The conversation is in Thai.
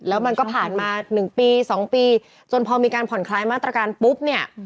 แล้วมันก็ผ่านมา๑ปี๒ปีจนพอมีการผ่อนคลายมาตรการปุ๊บเนี่ย